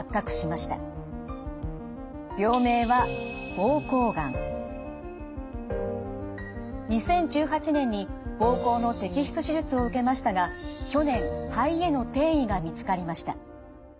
病名は２０１８年に膀胱の摘出手術を受けましたが去年肺への転移が見つかりました。